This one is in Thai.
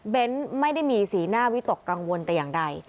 ไม่ได้มีสีหน้าวิตกกังวลแต่อย่างใด